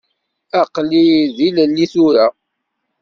Aql-i d ilelli tura.